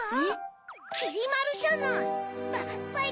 きりまるじゃない。